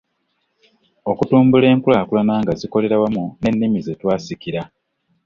Okutumbula enkulaakulana nga zikolera wamu n'ennimi ze twasikira.